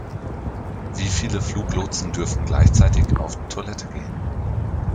Wie viele Fluglotsen dürfen gleichzeitig auf Toilette gehen?